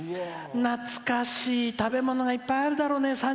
懐かしい食べ物がいっぱいあるだろうね。